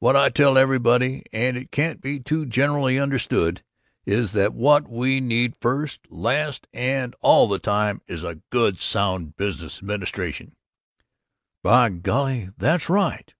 What I tell everybody, and it can't be too generally understood, is that what we need first, last, and all the time is a good, sound business administration!" "By golly, that's right!"